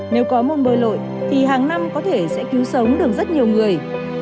nếu có môn bơi lội thì hàng năm có thể sẽ cứu sống được rất nhiều người